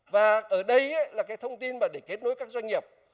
và ở đây là thông tin để kết nối các doanh nghiệp